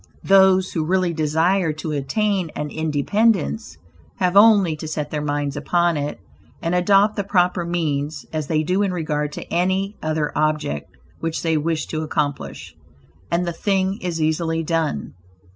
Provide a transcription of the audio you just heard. Those who really desire to attain an independence, have only to set their minds upon it, and adopt the proper means, as they do in regard to any other object which they wish to accomplish, and the thing is easily done.